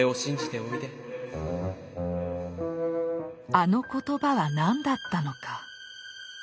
あの言葉は何だったのか。